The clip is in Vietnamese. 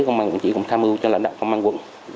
công an quận chỉu cũng tham ưu cho lãnh đạo công an quận